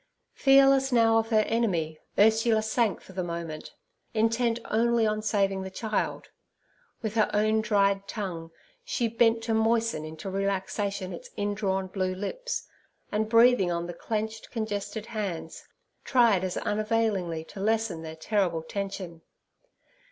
Fearless now of her enemy, Ursula sank for the moment, intent only on saving the child. With her own dried tongue, she bent to moisten into relaxation its indrawn blue lips, and breathing on the clenched, congested hands, tried as unavailingly to lessen their terrible tension.